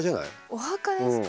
お墓ですか？